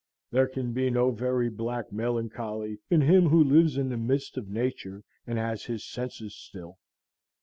There can be no very black melancholy to him who lives in the midst of Nature and has his senses still.